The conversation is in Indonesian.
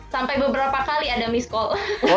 sampai beberapa kali ada miss call